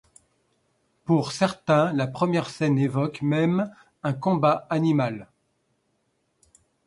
Pour certains, la première scène évoque même un combat animal.